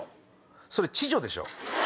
それ痴女でしょ。